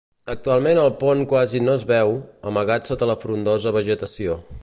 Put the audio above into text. Actualment el pont quasi no es veu, amagat sota la frondosa vegetació.